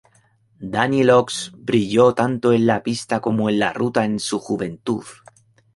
Daniel Oss brillo tanto en la pista como en la ruta en su juventud.